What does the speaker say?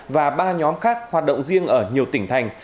và ba nhóm khác hoạt động riêng ở nhiều tỉnh thành